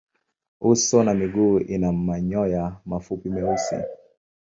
Uso na miguu ina manyoya mafupi meusi.